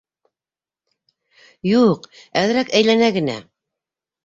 Юҡ, әҙерәк әйләнә генә.